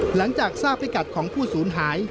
หลังจากทราบพิกัดของผู้สูญหาย